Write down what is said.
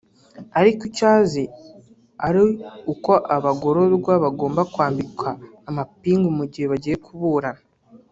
ariko icyo azi ari uko abagororwa bagomba kwambikwa amapingu mu gihe bagiye kuburana